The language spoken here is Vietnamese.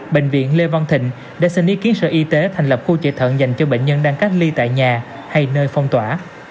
bệnh viện lê văn thịnh đã xin ý kiến sở y tế thành lập khu chạy thận dành cho bệnh nhân đang cách ly tại nhà hay nơi phong tỏa